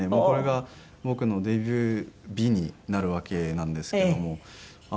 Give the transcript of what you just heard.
これが僕のデビュー日になるわけなんですけども。